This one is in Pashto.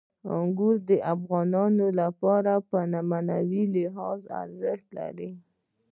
انګور د افغانانو لپاره په معنوي لحاظ ارزښت لري.